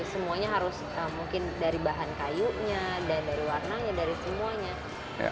semuanya harus mungkin dari bahan kayunya dan dari warnanya dari semuanya